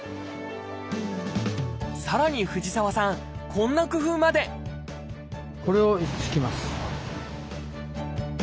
さらに藤沢さんこんな工夫までこれを敷きます。